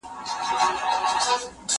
زه مخکي ږغ اورېدلی و!؟